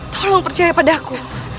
tolong percaya padaku